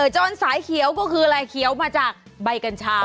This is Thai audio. จนสายเขียวก็คืออะไรเขียวมาจากใบกัญชา